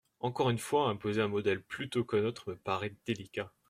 Encore une fois, imposer un modèle plutôt qu’un autre me paraît délicat.